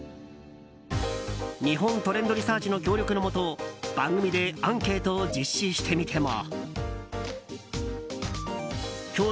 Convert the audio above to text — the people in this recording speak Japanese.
日本トレンドリサーチの協力のもと番組でアンケートを実施してみても。